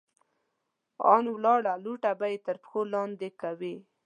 ان ولاړه لوټه به هم تر پښو لاندې کوئ!